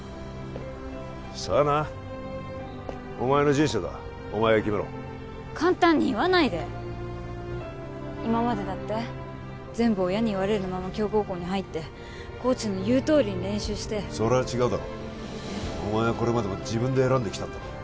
さあなお前の人生だお前が決めろ簡単に言わないで今までだって全部親に言われるまま強豪校に入ってコーチの言うとおりに練習してそれは違うだろお前はこれまでも自分で選んできたんだろ？